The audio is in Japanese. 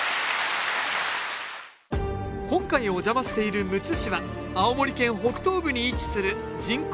今回お邪魔しているむつ市は青森県北東部に位置する人口